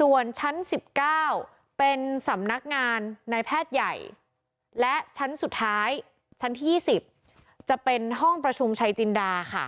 ส่วนชั้น๑๙เป็นสำนักงานนายแพทย์ใหญ่และชั้นสุดท้ายชั้นที่๒๐จะเป็นห้องประชุมชัยจินดาค่ะ